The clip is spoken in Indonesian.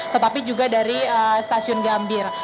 tetapi juga dari stasiun gambir